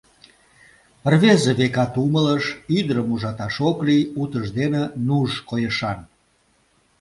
Рвезе, векат, умылыш: ӱдырым ужаташ ок лий, утыждене нуж койышан.